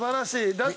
だって。